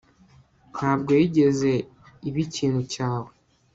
Ntabwo yigeze iba ikintu cyawe